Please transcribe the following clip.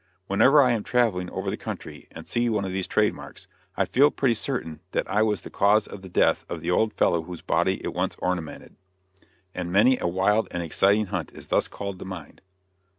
Whenever I am traveling over the country and see one of these trade marks, I feel pretty certain that I was the cause of the death of the old fellow whose body it once ornamented, and many a wild and exciting hunt is thus called to mind.